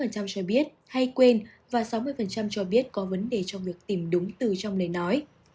sáu mươi tám cho biết hay quên và sáu mươi cho biết có vấn đề trong việc tìm đúng từ trong lời nói